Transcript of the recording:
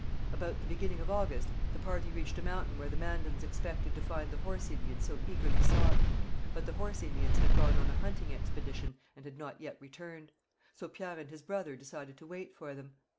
About the beginning of August the party reached a mountain where the Mandans expected to find the Horse Indians so eagerly sought. But the Horse Indians had gone on a hunting expedition and had not yet returned; so Pierre and his brother decided to wait for them.